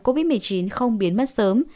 covid một mươi chín không biến mất sớm